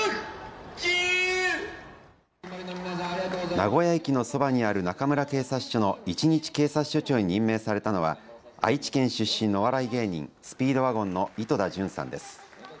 名古屋駅のそばにある中村警察署の一日警察署長に任命されたのは愛知県出身のお笑い芸人スピードワゴンの井戸田潤さんです。